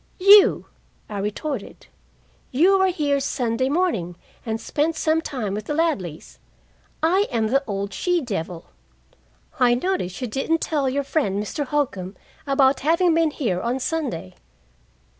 "You!" I retorted. "You were here Sunday morning and spent some time with the Ladleys. I am the old she devil. I notice you didn't tell your friend, Mr. Holcombe, about having been here on Sunday."